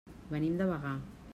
Venim de Bagà.